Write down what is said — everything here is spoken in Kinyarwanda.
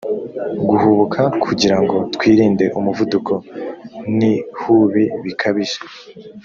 guhubuka kugira ngo twirinde umuvuduko n ihubi bikabije